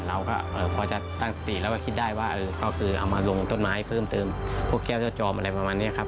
เราก็พอจะตั้งสติแล้วก็คิดได้ว่าก็คือเอามาลงต้นไม้เพิ่มเติมพวกแก้วเจ้าจอมอะไรประมาณนี้ครับ